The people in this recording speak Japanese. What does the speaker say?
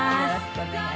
お願いします。